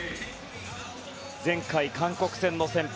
前回、韓国戦の先発。